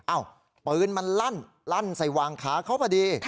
ปืนมันลั่นลั่นใส่วางขาเขาพอดี